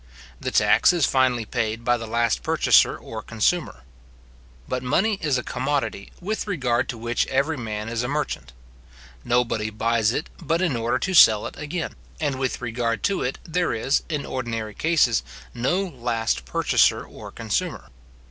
The tax is finally paid by the last purchaser or consumer. But money is a commodity, with regard to which every man is a merchant. Nobody buys it but in order to sell it again; and with regard to it there is, in ordinary cases, no last purchaser or consumer.